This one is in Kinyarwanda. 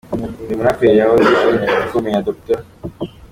Uyu muraperi yahoze ari inshuti ikomeye ya Dr.